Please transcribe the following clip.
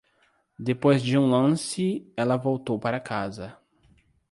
Depois de um lance, ela voltou para casa.